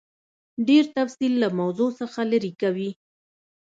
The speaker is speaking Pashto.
ډېر تفصیل له موضوع څخه لیرې کوي.